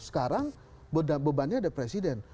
sekarang bebannya ada presiden